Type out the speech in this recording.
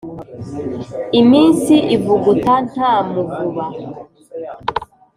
Iminsi ivuguta nta muvuba.